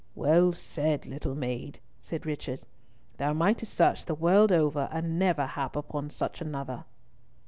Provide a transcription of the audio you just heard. "Well said, little maid!" said Richard. "Thou mightest search the world over and never hap upon such another."